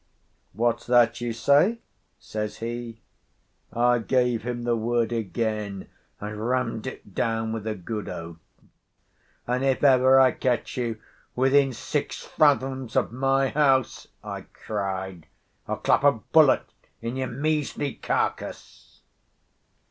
"What's that you say?" says he. I gave him the word again, and rammed it down with a good oath. "And if ever I catch you within six fathoms of my house," I cried, "I'll clap a bullet in your measly carcase."